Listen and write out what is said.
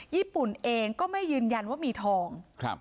ญี่ปุ่นเองก็ไม่ยืนยันว่ามีทอง